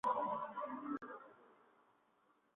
Es el patrón de los jueces.